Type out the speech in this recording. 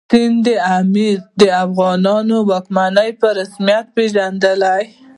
سند امیر د افغانانو واکمني په رسمیت پېژندل.